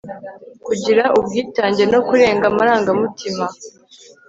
kugira ubwitange no kurenga amarangamutima